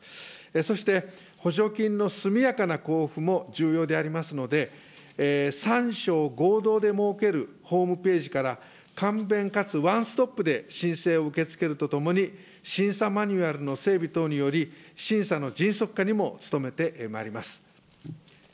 そして補助金の速やかな交付も重要でありますので、３省合同で設けるホームページから、簡便かつワンストップで申請を受け付けるとともに、審査マニュアルの整備等により、審査の迅速化にも努めてまいります。